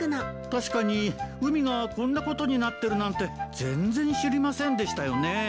確かに海がこんなことになってるなんて全然知りませんでしたよね。